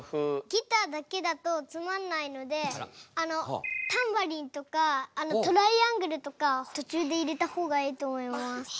ギターだけだとつまんないのでタンバリンとかトライアングルとか途中で入れた方がいいと思います。